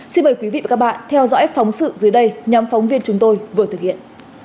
xin mời quý vị và các bạn theo dõi phóng sự dưới đây nhóm phóng viên chúng tôi vừa thực hiện